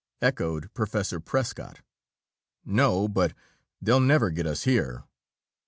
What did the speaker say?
echoed Professor Prescott. "No, but they'll never get us here!"